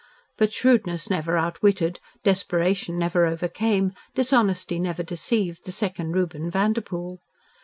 But shrewdness never outwitted, desperation never overcame, dishonesty never deceived the second Reuben Vanderpoel.